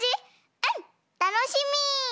「うんたのしみ！」。